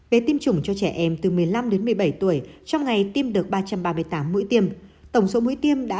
về tiêm chủng cho trẻ em từ một mươi năm đến một mươi bảy tuổi trong ngày tiêm được ba trăm ba mươi tám mũi tiêm tổng số mũi tiêm đã